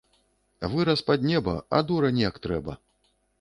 Вырас пад неба, а дурань як трэба